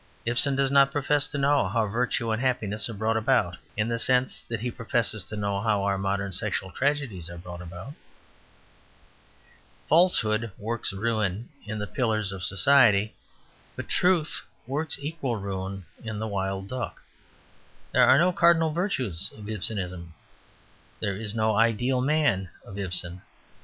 Ibsen does not profess to know how virtue and happiness are brought about, in the sense that he professes to know how our modern sexual tragedies are brought about. Falsehood works ruin in THE PILLARS OF SOCIETY, but truth works equal ruin in THE WILD DUCK. There are no cardinal virtues of Ibsenism. There is no ideal man of Ibsen.